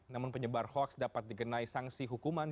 namun penyebar hoax dapat digenai sanksi hukuman